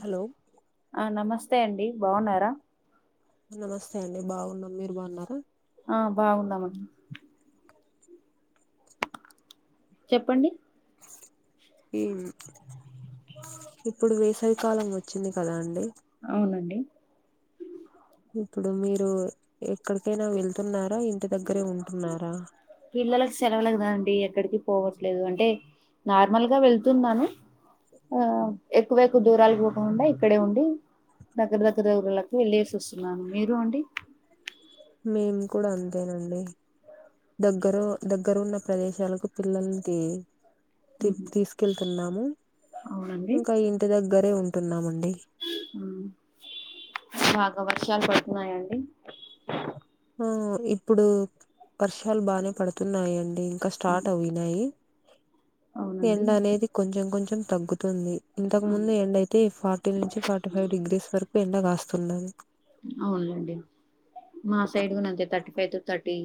Hello ఆహ్ నమస్తే అండి బాగున్నారా. నమస్తే అండి బాగున్నాం మీరు బాగున్నారా. ఆహ్ బాగుందామన్ను. చెప్పండి. ఉమ్ ఇప్పుడు వేసవి కాలం వచ్చింది కదా అండి. అవునండి ఇప్పుడు మీరు ఎక్కడికైనా వెళ్తున్నారా. దగ్గరే ఉంటున్నారా పిల్లలకు సెలవులుదాండి ఎక్కడికి. పోవట్లేదు అంటే నార్మల్గా వెళ్తున్నాను ఆహ్. ఎక్కువ ఎక్కువ దూరలు పోకుండా ఇక్కడే ఉండి. దగ్గర దగ్గర ఊర్లకి వెళ్ళసి వస్తున్నాను మీరు అండి. మేము కూడా అంతేనండి. దగ్గర దగ్గర ఉన్న ప్రదేశాలకు పిల్లలుకి. తి ఉహు, తీసుకెళ్తున్నాము అవునండి ఇంకా ఇంటి దగ్గరే ఉంటున్నామండి. ఉమ్ బాగా వర్షాలు పడుతున్నాయండి. ఉమ్ ఇప్పుడు వర్షాలు బానే పడుతున్నాయండి. ఇంకా ఉమ్, స్టార్ట్ అయినాయి అవునండి ఎండ అనేది కొంచెం కొంచెం తగ్గుతుంది. ఇంతకు ముందు అవును ఎండ అయితే ఫార్టీ నుంచి ఫార్టీ ఫైవ్ డిగ్రీస్ వరకు ఎండ కాస్తుండేది. అవునండి మా సైడ్ కూడా అంతే థర్టీ. ఫైవ్ టూ థర్టీ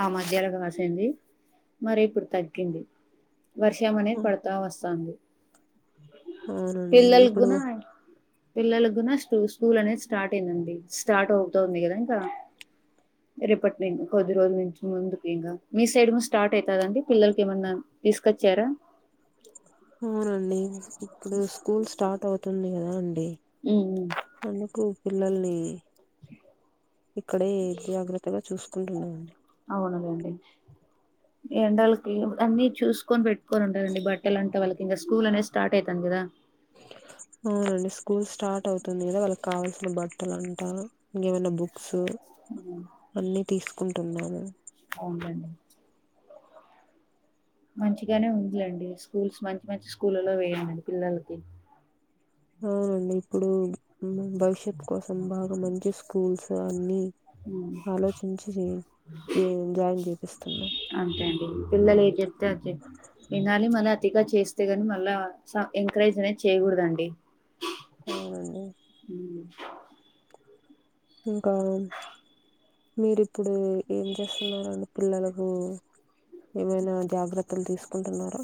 ఆహ్ మధ్యలో కాసింది మరి ఇప్పుడు తగ్గింది. వర్షం అనేది పడుతా వస్తది. అవునండి ఇప్పుడు పిల్లలగున్నా పిల్లలగున్నా స్కూ స్కూల్ అనేది స్టార్ట్. అంతేనండి స్టార్ట్ అవుతోంది కదా ఇంకా. రేపటి నుం కొద్ది రోజుల నుంచి ముందుకు ఇంకా మీ సైడ్ స్టార్ట్ అయితదాండి పిల్లలకి ఏమన్నా. తీసుకొచ్చారా. అవునండి ఇప్పుడు స్కూల్ స్టార్ట్ అవుతుంది కదా అండి. ఉమ్, ఉమ్. అందుకు పిల్లలని. ఇక్కడే జాగ్రత్తగా చూసుకుంటున్నామండి. అవునులేండి ఎండలకి అన్నీ చూసుకొని పెట్టుకొని ఉంటాఅండి బట్టలు అంటే వాళ్ళకి ఇంకా స్కూల్ అనేది స్టార్ట్ అయితుంది కదా. అవునండి స్కూల్ స్టార్ట్ అయితుంది కదా వాళ్ళకి కావల్సిన బట్టలు అంటా ఇంకేమైనా. బుక్స్ అన్ని తీసుకుంటున్నాను. అవునండి. మంచిగానే ఉందిలేండి స్కూల్స్ మంచి మంచి స్కూలలో వేయమనండి పిల్లలకి. అవునండి ఇప్పుడు భవిష్యత్ కోసం బాగా మంచి స్కూల్స్ అన్ని. ఉమ్ ఆలోచించి జె జాయిన్ చేపిస్తున్నా. అంతే అండి పిల్లలు ఏది చెప్తే అది చె వినాలి మళ్ళ. అతిగా చేస్తేగాని మళ్ళా చా ఎంకరేజ్ అనేది చేయకూడదండి. అవునండి. ఉ ఇంకా మీరిప్పుడు ఏం చేస్తున్నరండి పిల్లలకు ఏమైనా జాగ్రత్తలు తీసుకుంటున్నారో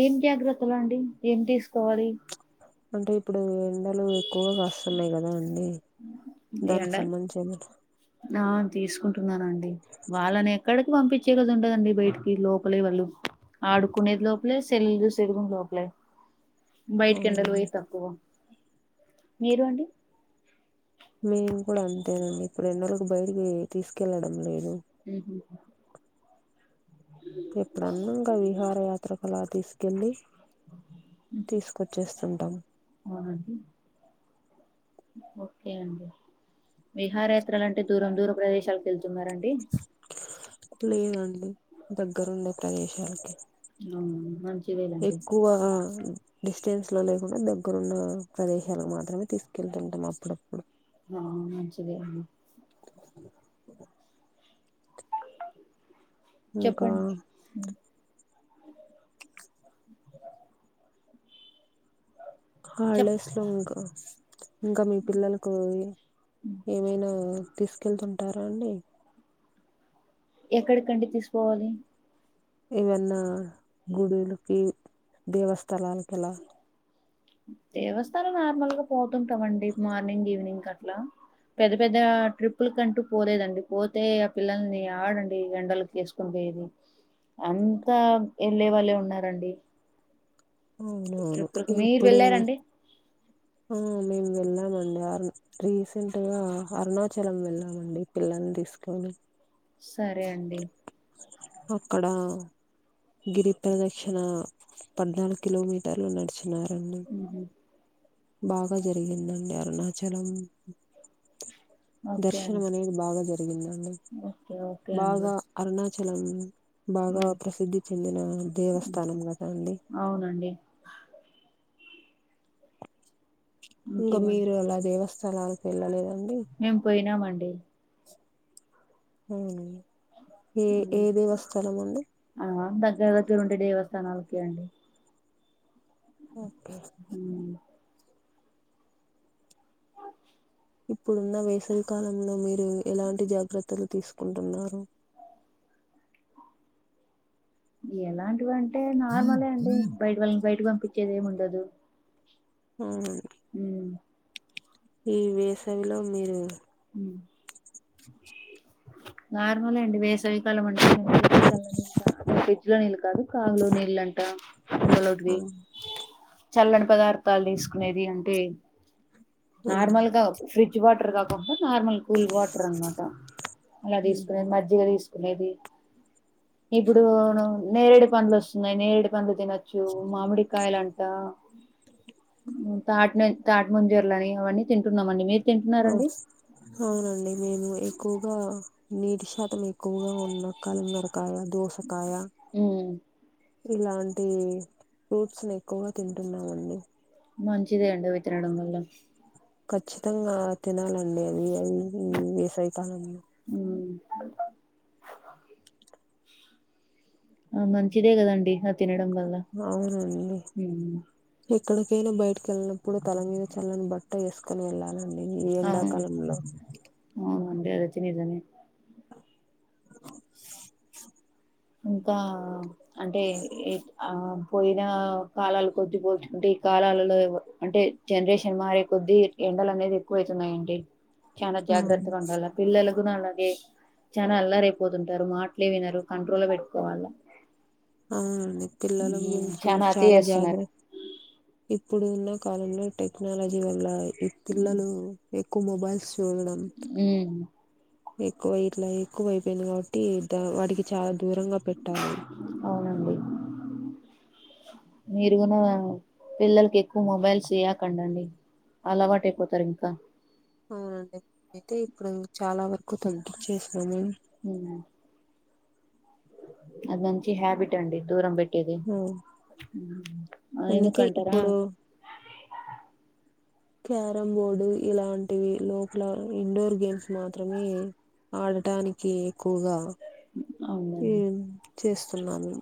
ఏం జాగ్రత్తలు అండి ఏం తీసుకోవాలి అంటే ఇప్పుడు ఎండలు ఎక్కువగా కాస్తున్నాయి కదా అండి దానికి ఎండ సంబంధించి ఎమన ఆ తీసుకుంటున్నానండి వాళ్ళని ఎక్కడ పంపించే కద ఉండదండి బయటికి లోపలే వాళ్ళు ఆడుకునేది లోపలే సెల్లులు చూసేది గున లోపలే బయటికి ఎండలో అవునండి పోయిది తక్కువ మీరండి మేము కూడా అంతేనండి ఇప్పుడు ఎండలకి బయటకి తీసుకెళ్లడం లేదు ఉహు ఎప్పుడన్న ఇంక విహార యాత్రకులా తీసుకెళ్లి తీసుకొచ్చేస్ ఉంటాం అవునండి ఓకే అండి విహారయాత్రలు అంటే దూరం దూర ప్రదేశాలకు వెళ్ తున్నారండి దగ్గర ఉండ ప్రదేశాలకి ఆ మంచిదేనండి ఎక్కువ డిస్ డిస్టెన్స్ లో లేకుండా దగ్గరున్న ప్రదేశాలకు మాత్రమే తీసుకెళ్తుంటాం అప్పుడప్పుడు ఆ మంచిదే ఇంకా చెప్పండి చెప్ హాలిడేస్ లో ఇంకా ఇంకా మీ పిల్లలకు ఏమైనా తీసుకెళ్తుంటారా అండి ఎక్కడికండి తీసుకుపోవాలి ఇవన్నా గుడిలుకి దేవస్థలాలకి అలా దేవస్థానం నార్మల్ గా పోతుంటావండి మార్నింగ్ ఈవినింగ్ అట్లా పెద్ద పెద్ద ట్రిప్పుల్ కంటూ పోలేదండి పోతే ఆ పిల్లల్ని యాడండి ఎండలకి వేసుకొని అంతా ఏళ్ళే వాళ్ళే ఉన్నారండి అవునవును ట్రిప్పులకి మీరు ఇప్పుడు వెళ్ళారండి ఆ మేము వెళ్ళామండి అరుణ్ రీసెంట్ గా అరుణాచలం వెళ్ళామండి పిల్లల్ని తీసు కొని సరే అండి అక్కడ గిరిప్రదక్షణ పద్నాలుగు కిలోమీటర్లు నడిచి ఉన్నారండి ఉహు బాగా జరిగిందండి అరుణాచలం ఓకే దర్శనం అండి అనేది బాగా జరిగిందండి ఓకే ఓకే అండి బాగా అరుణాచలం బాగా ఉ ప్రసిద్ధి చెందిన దేవస్థానం కదా అండి [inaudible] అవునండి ఇంకా ఇంకేమండి మీరు అలా దేవస్థాలాలకు వెళ్ళలేదండి టీ అవునండి ఆ దగ్గర దగ్గర ఉంటే దేవస్థానాలకే అండి ఓకే ఉమ్. ఇప్పుడున్న వేసవి కాలంలో మీరు ఎలాంటి జాగ్రత్ త్తలు తీసుకుంటున్నారు ఎలాంటివి అంటే నార్మలే అండి బైట్ వాల్ని బైటిక్ పంపించేది ఏముండదు ఉమ్ ఈ వేసవిలో మీరు నార్మలే అండి వేసవికాలం అంటే ఫ్రిడ్జ్ లో నీళ్ళు కాదు కాగులో నీళ్లంటాం ఆ హలోండి చల్లటి పదార్థాలు దీసుకునేది అంటే ఆ నార్ మల్ గా ఫ్రిడ్జ్ వాటర్ గాకుండా నార్మల్ కూల్ వాటర్ అన్ మాట. అలా హ్మ్. దీసుకునేది మజ్జిగ దీసుకునేది ఇప్పుడును నేరేడు పండ్లు వోస్సున్నాయ్ నేరేడు పండ్లు తినొచ్చు మామిడికాయలంట [inaudible] ఉమ్ తాట్ నున్ తాటిముంజర్లని అవన్నీ తింటున్నామండి మీర్ తింటున్నారండి ఔనండి మేము ఎక్కుగా నీటి శాతం ఎక్కుగా ఉన్న కాలంగ కార్ ఆ దోస ఉమ్ ఇలాంటి ఫ్రూట్స్ ని ఎక్కుగా తింటున్నామండి. మంచిదేండ్ అవి తినడం వల్ల ఖచ్చితంగా తినాలండి అవీ అవి ఈవీ వేసవి కాలమ్ లో [inaudible] ఆ మంచిదే గదండి ఆ తినడమ్ ఔనండి హే ఎక్కడ్ కైనా బైట్ కేల్ నప్పుడు తలమీద చల్లని బట్ట ఏసుకొని వెళ్ళాల్ ఔనండి ఈ ఎండాకాలంలో గదోచ్చి నిజమే ఇంకా అంటే ఏ ఆ పోయిన కాలాలు కొద్ది బోల్చుకుంటే ఈ కాలలో ఏవో అంటే జన్ రేషన్ మారే కొద్ది ఎ ఎండలనేది ఎక్కువైతున్నాయండి చానా అవును జాగ్రత్తగా ఉండాల పిల్లలు గుణ అనదే చానా అల్లారైపోతుంటారు మాట్లే వినారు కంట్రోల్ వేట్టుకోవాల ఔనండి పిల్లల గురించి అతి చాలా చేస్తున్నారు జాగ్రత్ ఇప్పుడున్న కాలంలో టెక్నాలజీ వల్ల ఈ పిల్లలు ఎక్కు మొబైల్స్ సూడడం ఉమ్, ఎక్కువై ఇట్లా ఎక్కువై ఐపెంది గావాట్టి తా వాటికి చా దూరంగా పెట్టాలి మీరుగూన పిల్లలకి ఎక్కు మొబైల్స్ ఇయ్యకండండి అలవైటైపోతరు ఇంకా ఔనండి ఐతే ఇప్పుడు చాలా వరకు తగ్గించేసాము ఔనా అది మంచి హ్యాబిటండి దూరం బెట్ టీది అ అందుకే ఏందుకంటర ఇప్పుడు క్యారం బోర్డు ఇలాంటివి లోప్లా ఇండోర్ గేమ్స్ మాత్రమే ఆడటానికి ఎక్కుగా అవునండి ఉమ్ చేస్తున్నాను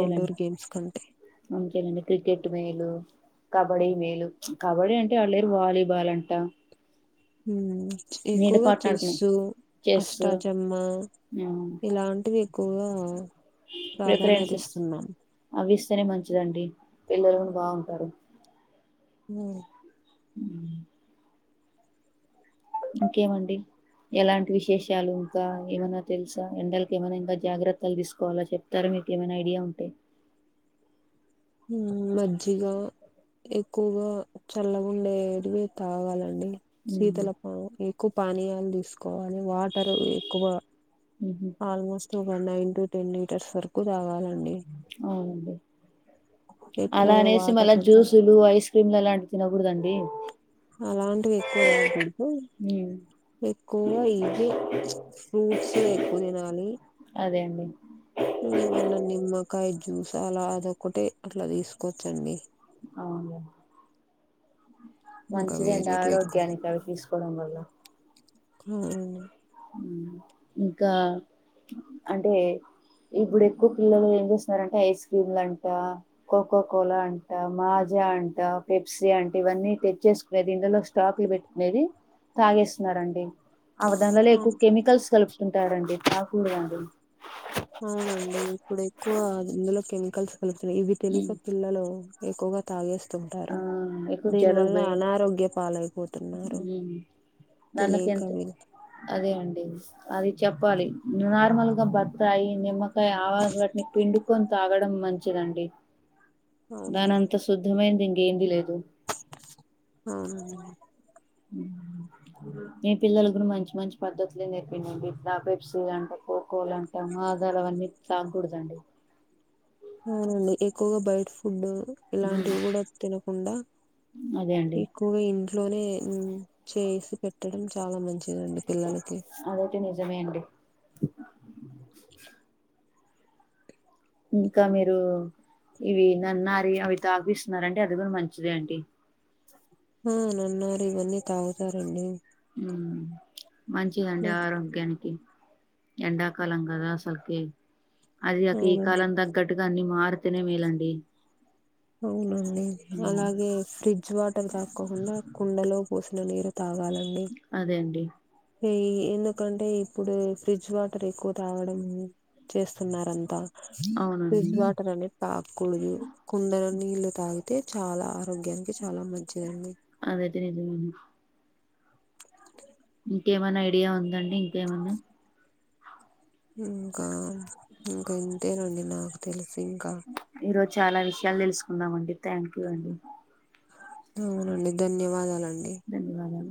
ఔడోర్ గేమ్స్ కంటే అంతేనండి క్రికెటు మేలు కబడ్డీ మేలు కబడ్డీ అంటే ఆల్రెడీ వాలీబాల్ అంటాం. ఉమ్. ఎక్కువగా చెస్ ఆడుకునే చెస్ అష్టాచమ్మ ఇలాంటివి ఎక్. కో. రిఫరెన్సస్ అవిస్. అట్లానే మంచిదండి పిల్లలు కూడా బాగుంటారు. ఉమ్. ఉమ్. ఇంకేమండి. ఎలాంటి విశేషాలు ఇంకా ఏమైనా తెలుసా ఎండలకి ఏమైనా ఇంకా జాగ్రత్తలు తీసుకోవాలో చెప్తార. మీకేమైనా ఐడియా ఉంటే. ఉమ్ మజ్జిగా. ఎక్కువగా చల్లగా ఉండేటివి తాగాలండి. ఉమ్, శీతల పా ఎక్కువ పానీయాలు తీసుకో. ఎక్కువ అని వాటర్ ఎక్కువ ఉహు, ఆల్మోస్ట్. తగా one nine to ten litres వరకు తాగాలి. అవునండి. ఎక్కువ అలా అనేసి వాటర్ మళ్ళా జ్యూసులు ఐస్ క్రీమ్లులాంటివి తినకూడదండి. అలాంటివి ఎక్కువ తాగకూడదు. ఉమ్, ఎక్కువగా ఇవే ఫ్చ్ ఫ్రూట్స్ ఎక్కువ తినాలి. అదే అండి. ఏమన్నా నిమ్మకాయ జ్యూస్ అలా అదోకటే అట్లా తీసుకోవచ్చండి. అవును. ఇంకా మంచిదండి వేరేటివి ఎక్కువ ఆరోగ్యానికి అవి తీసుకోవడం వల్ల. ఉమ్. ఇంకా అంటే. ఇప్పుడు ఎక్కువ పిల్లలు ఏం చేస్తున్నారంటే ఐస్ క్రీమ్ లు అంట కోకో కోలా అంట మజా. మజా అంట పెప్సీ అంట ఇవన్నీ తెచ్చేసుకునేది ఇంట్లాలో స్టాక్లు పెట్టుకునేది. తాగేస్తున్నారండి అవదానివల్ల. ఆ తకు కెమికల్స్ కలుపుతుంటారండి తాగకూడదండి. అవునండి ఇప్పుడు ఎక్కువ ఇందులో కెమికల్స్ కలుపుతున్నారు ఇవి తెలియక ఉమ్. పిల్లలు. ఎక్కుగా తాగేస్తు. ఆ తుంటారు ఎక్కువ దీని వల్ల జలుబు అనారోగ్య పాలైపోతున్నారు. తెలియక నల్కెంత వీళ్ళు అదే అండి. అది చెప్పాలి నార్మల్ గా బతాయి నిమ్మకాయ ఆవ బట్టిని పిండుకొని తాగ. తాగడం మంచిదండి. అవునండి దానంత శుద్ధమైంది ఇంకేంది లేదు. అవునండి. మీ పిల్లలకు కూడా మంచి మంచి పద్దతులు నేర్పినాను ఇట్లా పెప్సీ అంటే కోకోలు అంటే మా తారలు అవన్నీ తాగకూడదండి. అవునండి ఎక్కువగా బయటి ఫుడ్. ఇలాంటివి కూడా తినకుండా అదే అండి ఎక్కువగా ఇ. ఇంట్లోనే చేసి పెట్టడం చాలా మంచి దండి పిల్లల్కి అదైతే నిజమే అండి ఇంకా మీరూ ఇవి నన్నారి అవి తాగిపిస్తున్నరంటే అది గుడా మంచిదే అండి ఆ నన్నారి వన్నీ తాగుతారండి. మంచిదండి ఆ, ఆరోగ్యానికి ఎండాకాలం కదా అసలకే అది అక ఈ అవునండి కాలం దగ్గట్టుగా అన్ని మా ర్తెనే మేలాండి. అవునండి అలాగే ఫ్రిడ్జ్ వాటర్ తాక్కోకుండా కుండలో పోసిన నీరు తాగాలండి. అదే అండి ఏ ఎందుకంటే ఇప్పుడు ఫ్రిడ్జ్ వాటర్ ఎక్కువ తాగడం చేస్తున్నారంతా అవునండి ఫ్రిడ్జ్ వాటర్ అనేద్ తాక్కుడదు. కుండలో నీళ్లు తాగితే చాలా ఆరోగ్యానికి చాలా మంచిదండి. తేజమున్న ఇంకేమన్న ఐడియా ఉందండి ఇంకేమన్న ఇంకా ఇంకా ఇంతేనండి నాకు తెలిసి ఇంకా ఈరోజు చాలా విషయాల్ తెల్సుకుందాం అండి థ్యాంక్ యూ అండి అవునండి ధన్యవాదాలం ధన్యవాదాలు